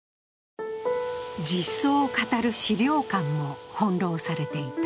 実相を語る資料館も翻弄されていた。